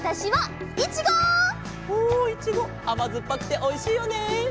あまずっぱくておいしいよね。